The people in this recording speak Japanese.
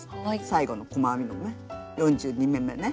最後の細編みのね４２目めね。